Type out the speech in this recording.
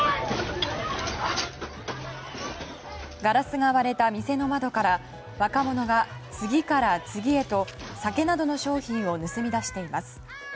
ガラスが割れた店の窓から若者が次から次へと酒などの商品を盗み出しています。